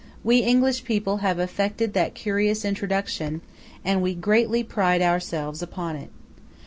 We English people have effected that curious introduction, and we greatly pride ourselves upon it.